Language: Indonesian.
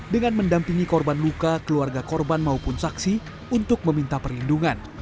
dengan mendampingi korban luka keluarga korban maupun saksi untuk meminta perlindungan